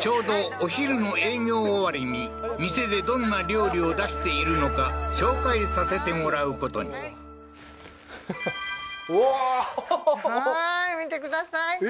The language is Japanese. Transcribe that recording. ちょうどお昼の営業終わりに店でどんな料理を出しているのか紹介させてもらうことにおおーははははっはーい見てください